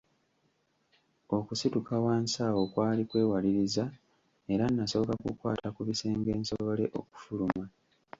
Okusituka wansi awo kwali kwewaliriza era nasooka kukwata ku bisenge nsobole okufuluma.